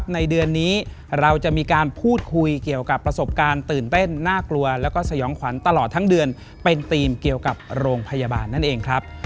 แต่งชุดคนไข้อยู่เบียง